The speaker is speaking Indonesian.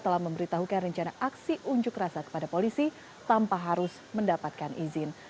telah memberitahukan rencana aksi unjuk rasa kepada polisi tanpa harus mendapatkan izin